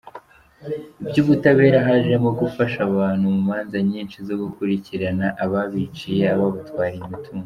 Iby’ubutabera, hajemo gufasha abantu mu manza nyinshi zo gukurikirana ababiciye, ababatwariye imitungo.